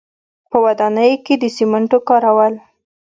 په ودانیو کې د سیمنټو کارول.